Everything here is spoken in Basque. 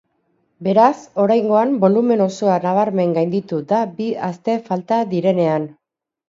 Beraz, oraingoan bolumen osoa nabarmen gainditu da bi aste falta direnean.